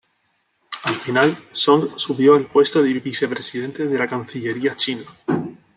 Al final, Song subió al puesto de vicepresidente de la cancillería china.